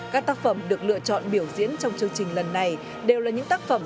các tác phẩm được lựa chọn biểu diễn trong chương trình lần này đều là những tác phẩm